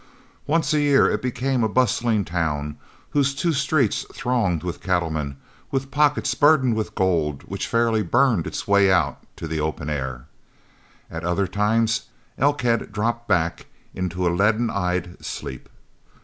Once a year it became a bustling town whose two streets thronged with cattlemen with pockets burdened with gold which fairly burned its way out to the open air. At other times Elkhead dropped back into a leaden eyed sleep.